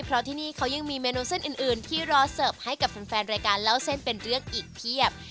เพราะที่นี่เขายังมีเมนูเส้นอื่นที่รอเสิร์ฟให้กับแฟนรายการเล่าเส้นเป็นเรื่องอีกเพียบ